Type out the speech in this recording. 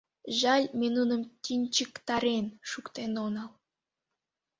Жаль, ме нуным тӱнчыктарен шуктен онал.